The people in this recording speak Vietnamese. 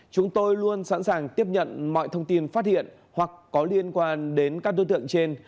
chúng tôi luôn sẵn sàng tiếp nhận mọi thông tin phát hiện hoặc có liên quan đến các đối tượng trên